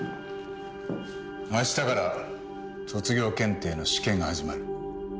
明日から卒業検定の試験が始まる。